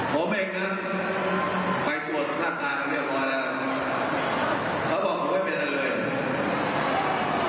ผมเองนะไปตรวจท่านการณ์กันเรียบร้อยแล้วเขาบอกผมไม่เปลี่ยนอะไรเลย